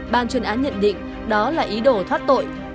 ban chuyên án nhận định đó là ý đồ thoát tội